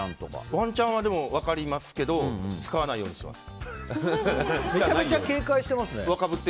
ワンチャンは分かりますけど使わないようにしてます。